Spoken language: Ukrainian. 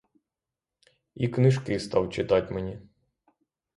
І книжки став читать мені.